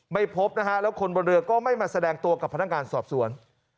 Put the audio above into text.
ไม่พบนะฮะแล้วคนบนเรือก็ไม่มาแสดงตัวกับพนักงานสอบสวน